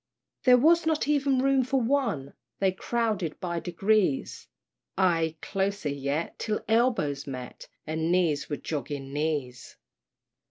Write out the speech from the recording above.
There was not even room for one! They crowded by degrees Ay closer yet, till elbows met, And knees were jogging knees.